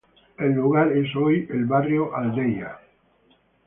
El lugar es hoy el barrio Aldeia.